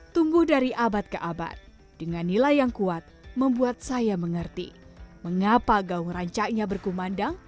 tumbuh dari abad ke abad dengan nilai yang kuat membuat saya mengerti mengapa gaung rancaknya berkumandang